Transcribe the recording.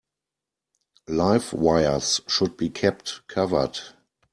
Live wires should be kept covered.